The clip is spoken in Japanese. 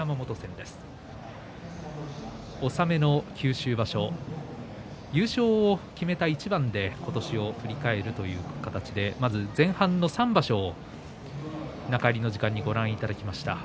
納めの九州場所優勝を決めた一番で今年を振り返るという形でまず前半の３場所を中入りの時間にご覧いただきました。